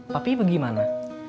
papi pergi mana